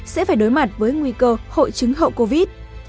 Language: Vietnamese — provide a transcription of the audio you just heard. sẽ phải đối mặt với nguy cơ hội chứng hậu covid